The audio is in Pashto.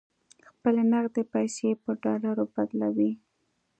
خپلې نغدې پیسې یې پر ډالرو بدلولې.